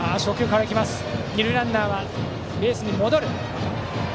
二塁ランナーはベースに戻りました。